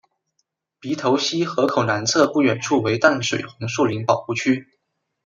鼻头溪河口南侧不远处为淡水红树林保护区。